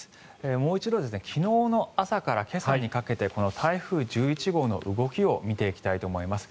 もう一度昨日の朝から今朝にかけてこの台風１１号の動きを見ていきたいと思います。